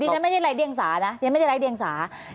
ฉันไม่ได้ไร้เดียงสานะฉันไม่ได้ไร้เดียงสา